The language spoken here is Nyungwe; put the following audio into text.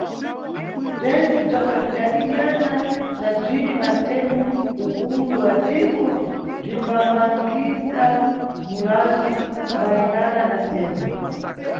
Bzentse bzomwe bzidasiyana na bziri pantemo ukulu wa dziko bzimbamangisa mulandu malingana na ntemo.